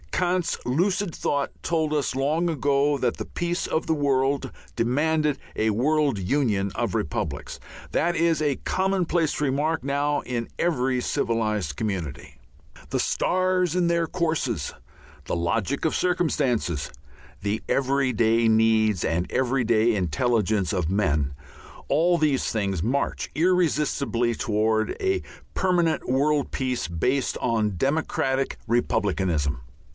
Kant's lucid thought told us long ago that the peace of the world demanded a world union of republics. That is a commonplace remark now in every civilized community. The stars in their courses, the logic of circumstances, the everyday needs and everyday intelligence of men, all these things march irresistibly towards a permanent world peace based on democratic republicanism.